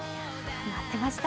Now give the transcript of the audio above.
待ってました！